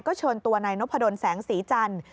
ก็เชิญตัวในนพระดนแสงศรีจันทร์